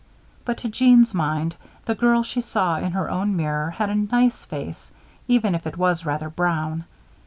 But to Jeanne's mind, the girl she saw in her own mirror had a nice face, even if it was rather brown.